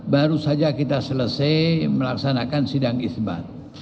baru saja kita selesai melaksanakan sidang isbat